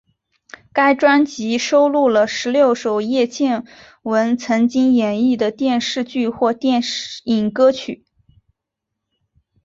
该专辑收录了十六首叶蒨文曾经演绎的电视剧或电影歌曲。